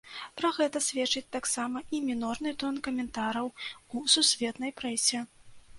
Пра гэта сведчыць таксама і мінорны тон каментараў у сусветнай прэсе.